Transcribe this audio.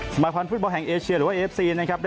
สมาภัณฑ์ฟุตบอลแห่งเอเชียร์หรือว่าเอเชียร์นะครับ